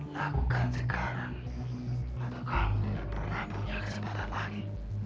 lakukan sekarang atau kamu tidak pernah punya kesempatan lagi